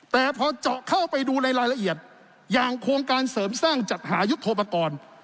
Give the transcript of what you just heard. แต่พอเจาะเข้าไปดูรายละเอียดอย่างโครงการเสริมสร้างจัดหายุทธโปรกรณ์